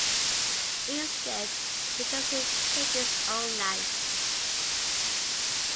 Instead, he chose to take his own life.